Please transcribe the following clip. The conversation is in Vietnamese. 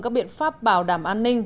các biện pháp bảo đảm an ninh